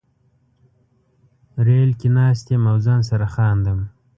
ریل کې ناست یم او ځان سره خاندم